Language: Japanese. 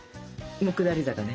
下り坂ね。